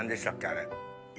あれ。